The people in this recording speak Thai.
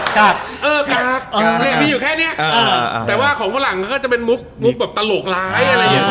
แต่เยอะมั่นของฝรั่งจะเป็นมุคตลกแล้ว